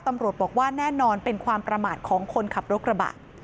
ตำรวจบอกว่าแน่นอนเป็นความประมาทของคนขับรถกระบะ